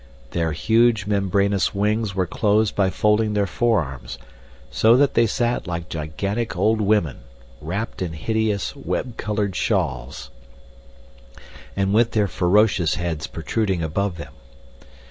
Their huge, membranous wings were closed by folding their fore arms, so that they sat like gigantic old women, wrapped in hideous web colored shawls, and with their ferocious heads protruding above them.